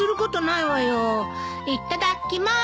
いっただきまーす！